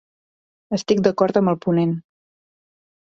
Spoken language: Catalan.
Estic d'acord amb el ponent.